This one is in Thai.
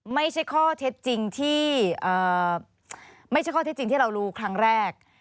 ไม่ใช่ข้อเท็จจริงที่ไม่ใช่ข้อเท็จจริงที่เรารู้ครั้งแรก